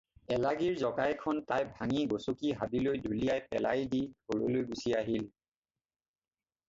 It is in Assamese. এলাগীৰ জকাইখন তাই গচকি ভাঙি হাবিলৈ দলিয়াই পেলাই দি ঘৰলৈ গুচি আহিল।